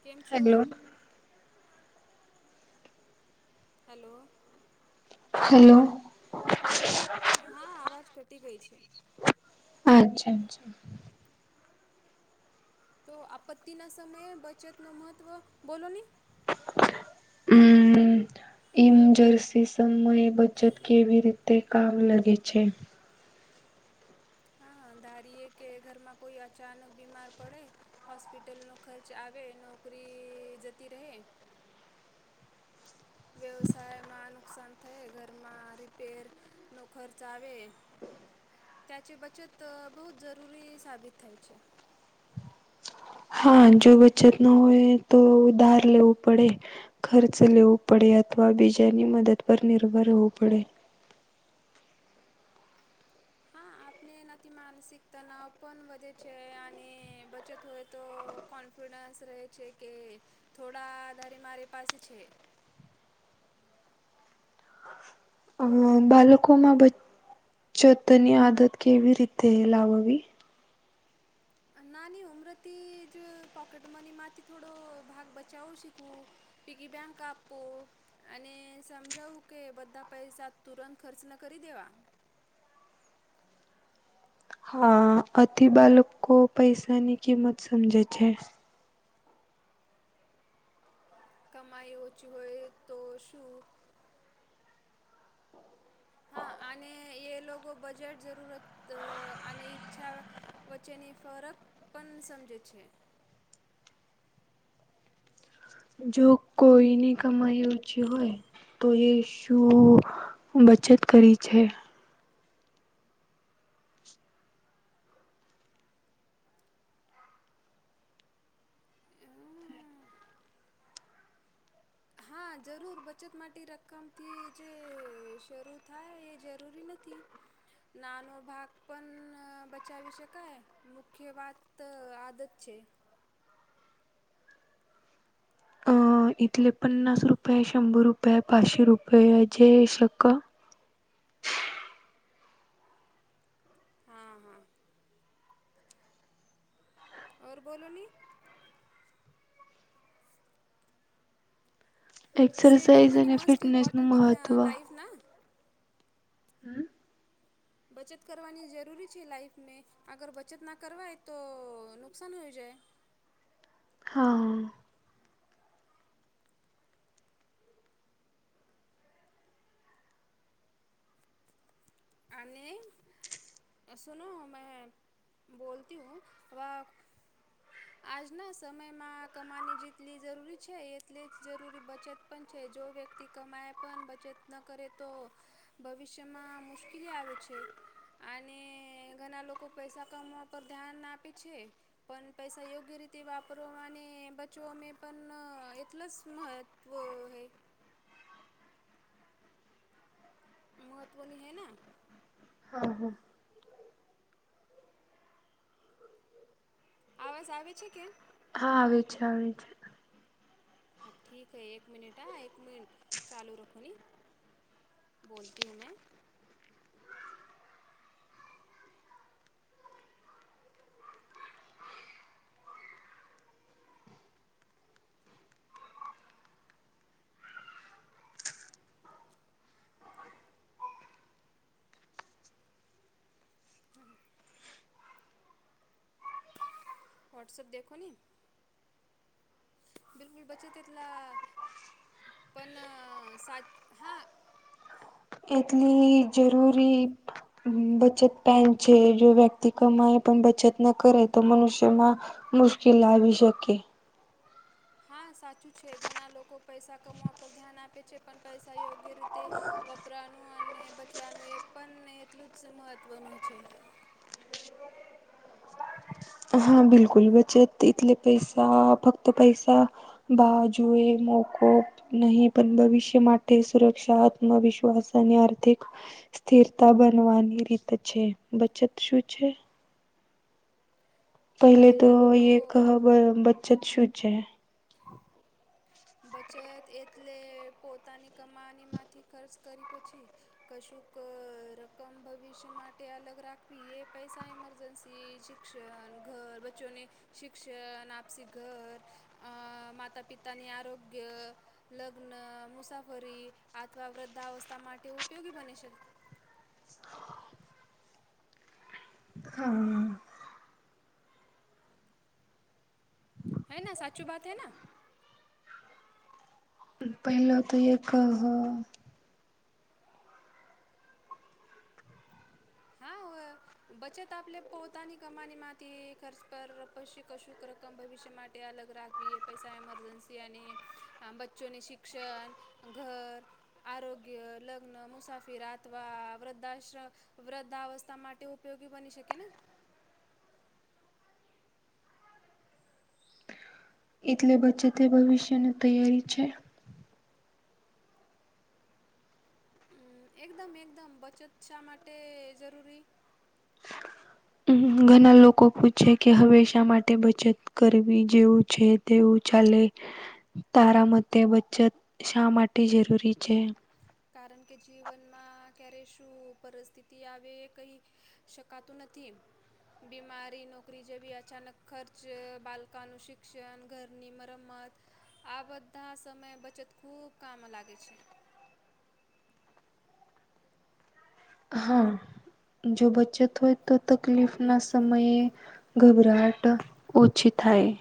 કેમ છો. Hello hello. Hello. હા આવાજ કટી ગઈ છે. આચ્છા અચ્છા. તો આપત્તિના સમયે બચતનું મહત્ત્વ બોલો ની. હમમ્મ. ઇમજર્સી સમયે બચત કેવી રીતે કામ લગે છે. હા હા ધારીએ કે ઘરમાં કોઈ અચાનક બીમાર પડે. હોસ્પિટલનો ખર્ચ આવે નોકરી જતી રહે. વ્યવસાયમાં નુકસાન થય ઘરમાં રિપેર નો ખર્ચ આવે. ત્યાં છે બચત બહુ જ જરૂરી સાબિત થાય છે. હા જો બચત ના હોય તો ઉધાર લેવું પડે. ખર્ચ લેવું પડે અથવા બીજાની મદદ પર નિર્ભર હોવુ પડે. હા આપને એનાથી માનસિક તનાવ પણ વધે છે અને બચત હોય તો કોન્ફિડન્સ રહે છે કે થોડા આધારે મારી પાસે છે. અ બાલકો માં બચ્ચતની આદત કેવી રીતે લાવવી. અ નાની ઉમરથી જ પોકેટ મની માંથી થોડો ભાગ બચાવો શીખવું. પીકી બેંક આપો. અને સમજાવું કે બધા પૈસા તુરંત ખર્ચ ન કરી દેવા. હા આથી બાલકો પૈસાની કિંમત સમજે છે. કમાઈ ઓછી હોય તો શું. હા અને એ લોક બજેટ જરૂરત અને ઈચ્છા, વચ્ચેની ફરક પણ સમજે છે. જો કોઈની કમાઈ ઓછી હોય તો એ શું, બચત કરી છે. હ, હા જરૂર બચત માટી રકમથી જે શરૂ થાય એ જરૂરી નથ તે, નાનો ભાગ પણ બચાવી શકાય મુખ્ય વાત આદત છે. હ એટલે પન્નાસ રૂપિય, શંભૂર રૂપિય પાંચસી રૂપય છે એ શકકર, [inaudible] હા હા, ઓર બોલો ની, સેવિંગ એક્સરસાઇઝ મની અને મસ્ટ ફિટનેસ નું ઇમ્પોર્ટન્ટ ઇન મહત્વ લાઈફ ના? હમ બચત કરવાની જરૂરી છે લાાઈફ મે. અગર બચત ના કરવાય તો નુકસાન હો જાય. હા. આને સુનો મે બોલતી હું. વાક આજના સમયમાં કમાની જેટલી જરૂરી છે એટલી જ જરૂરી બચત પણ છે જો વ્ય તી કમાય પણ બચત ન કરે તો ભવિષ્યમાં મુશ્કેલી આવે છે. આને ઘણા લોકો પૈસા કમાવા પર ધ્યાન આપે છે. પણ પૈસા યોગ્ય રીતે વાપરો અને બચવો મે પણ એટલ જ મહ ત્વ હૈ. મહત્વની હૈના? હા. હા. આવાઝ આવે છે કે? હા, આવે છે. આવે છે હા ઠીક હૈ. એક મિનિટ હા એક મિનટ. ચાલુ રખો ને. બોલતી હું મે. હા. વોટ્સઅપ દેખો ને. બિલકુલ બચત એટલા પણ સાચ હા એટલી જરૂરી બચત પાઈન છે. જો વ્યક્તિ કમાઈ પણ બચત ન કરે તો મનુષ્યમાં મુશ્કેલ આવી શકે. હા, સાચું છે. ઘણા લોકો પૈસા કમાવા પર ધ્યાન આપે છે પણ પૈસા યોગ્ય રીતે વપરાનું અને બચવાનું એ પણ એટલું જ મહત્વનું છે. હા, બિલકુલ. બચત એટલે પૈસા, ફક્ત પૈસા બાજુએ મુકો. નહી પણ ભવિષ્ય માટે સુરક્ષા, આત્મવિશ્વાસ અને આર્થિક સ્થિરતા બનવાની રીત છે. બચત શું છે? પહેલે તો યે કહ બ-બચત શું છે? [inaudible] બચત એટલે પોતાની કમાનીમાંથી ખર્ચ કરી પછી કશુંક રકમ ભવિષ્ય માટે અલગ રાખવી. એ પૈસા એમરજન્સી જ શિક્ષણ, ઘર, બચ્ચોને શિક્ષણ, આપસી ઘર અઅ માતા પિતાની આરોગ્ય લગ્ન, મુસાફરી આથવા વૃદ્ધાવસ્થા માટે ઉપયોગી બને છે. હા. હેના? સાચું બાત હેના? પહેલો તો યે કહ હા ઓઅ બચત આપલે પોતાની કમાનીમાંથી ખર્ચ પર પશી કશુંક રકમ ભવિષ્ય માટે અલગ રા વી એ પૈસા એમરજન્સી અને આ બચ્ચોની શિક્ષણ, ઘર આરોગ્ય, લગ્ન, મુસાફિર આથવા વૃદ્ધાશ્ર વૃદ્ધાવસ્થા માટે ઉપયોગી બની શકે ને? એટલે બચત એ ભવિષ્યની તૈયારી છે. હમ્મ એકદમ એકદમ બચત શા માટે જરૂરી ઘણા લોકો પૂછે કે હંમેશા માટે બચત કરવી જેવું છે તેવું ચાલે. તારા મતે બચત શા માટે જરૂરી છે? કારણ કે જીવનમાં ક્યારે શું પરિસ્થિતિ આવે એ કંઈ શકાતું નથી. બીમારી નોકરી જેવી અચાનક ખર્ચ અહ બાલકાનું શિક્ષણ ઘરની મરમત આ બધા સમય બચત ખૂબ કામ લાગે છે. હા જો બચત હોય તો તકલીફ ના સમયે ગભરાહટ ઓછી થાય.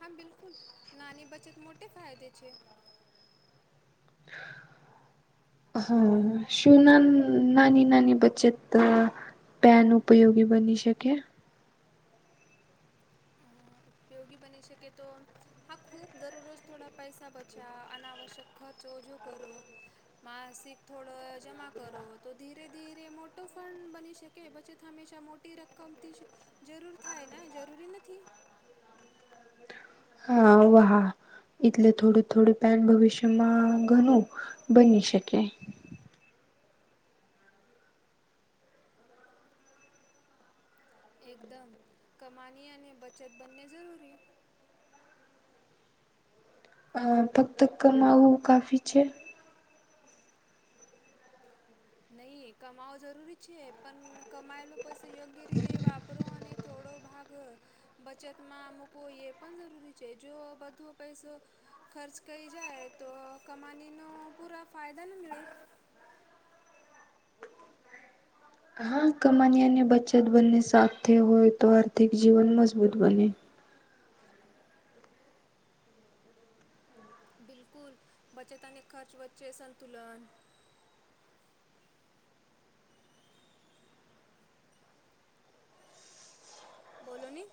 હા, બિલકુલ નાની બચત મોટે ફાયદે છે. [inaudible] હા, શું નાન નાની નાની બચત અહ પેન ઉપયોગી બની શકે. અહ ઉપયોગી બની શકે તો હા, ખૂબ દરરોજ થોડા પૈસા બચાવ અનાવશ્યક ખર્ચ ઓજો કરો માસિક થોડો જમા કરો તો ધીરે ધીરે મોટો ફંડ બની શ કે બચત હંમેશા મોટી રકમ થી જરૂર થાય જરૂરી નથ ઠી હ વાહ. એટલે થોડું થોડું પહેલ ભવિષ્યમાં ઘણું બની શકે. એકદમ કમાની અને બચત બંને જરૂરી [inaudible] અહ ફક્ત કમાંવું કાફી છે. નહીં કમાવો જરૂરી છે પણ કમાયેલો પછી યોગ્ય રીતે વાપરો અને થોડો ભાગ અહ બચત માં મૂકવું એ પણ જરૂરી છે જો બધો પૈસો ખર્ચ કઈ જાય તો કમાની નો પૂરા ફાયદા ના મળે. આ કમાની અને બચત બંને સાથે હોય તો આર્થિક જીવન મજબૂત બને. બિલકુલ બચત અને ખર્ચ વચ્ચે સંતુલન બોલો ને